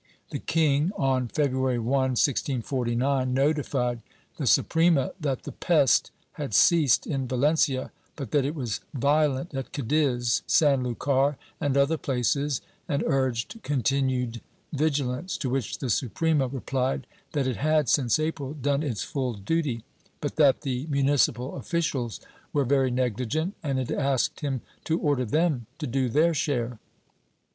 The king, on February 1, 1649, notified the Suprema that the pest had ceased in Valencia, but that it was violent at Cadiz, San Lucar and other places, and urged continued vigilance, to which the Suprema rephed that it had, since April, done its full duty, but that the municipal officials were very negligent, and it asked him to order them to do their share.'